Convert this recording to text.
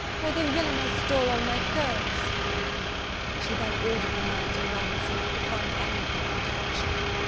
why, the villain has stole all my curls!" She then ordered the man to run and see if he could find any of them in the ditch.